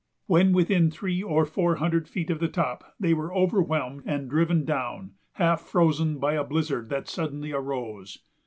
When within three or four hundred feet of the top they were overwhelmed and driven down, half frozen, by a blizzard that suddenly arose.